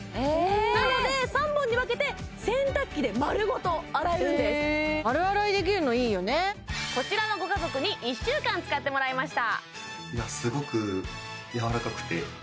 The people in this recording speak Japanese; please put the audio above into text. なので３本に分けて丸洗いできるのいいよねこちらのご家族に１週間使ってもらいました